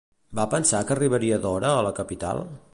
Va pensar que arribaria d'hora a la capital?